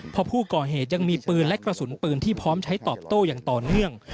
พอผู้ก่อเหตุยังมีปืนและกระสุนปืนที่พร้อมใช้ตอบโต้อย่างต่อเนื่อง